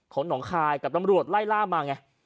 หนองคายกับตำรวจไล่ล่ามาไง